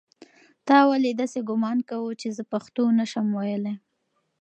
تا ولې داسې ګومان کاوه چې زه پښتو نه شم ویلی؟